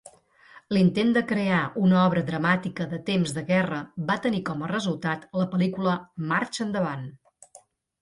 L'intent de crear una obra dramàtica de temps de guerra va tenir com a resultat la pel·lícula "Marxa endavant!".